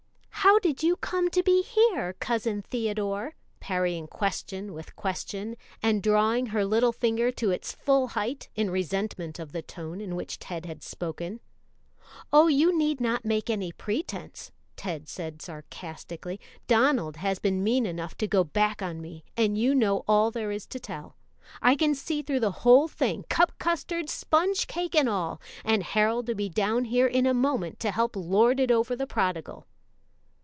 "How do you come to be here, Cousin Theodore?" parrying question with question, and drawing her little figure to its full height, in resentment of the tone in which Ted had spoken. "Oh, you need not make any pretence," Ted said sarcastically. "Donald has been mean enough to go back on me, and you know all there is to tell. I can see through the whole thing, cup custard, sponge cake and all, and Harold 'll be down here in a moment to help lord it over the prodigal."